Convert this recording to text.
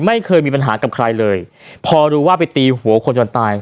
ไม่เคยมีปัญหากับใครเลยพอรู้ว่าไปตีหัวคนจนตาย